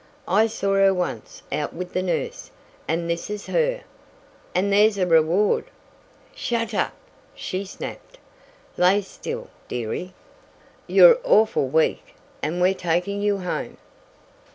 I saw her once out with the nurse, and this is her!" "And there's a reward " "Shet up!" she snapped. "Lay still, dearie. You're awful weak and we're taking you home."